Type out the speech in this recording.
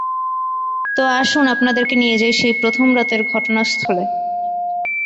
তো আসুন আপনাদেরকে নিয়ে যাই সেই প্রথম রাতের ঘটনাস্থলে।